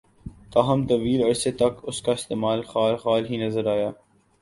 تاہم ، طویل عرصے تک اس کا استعمال خال خال ہی نظر آیا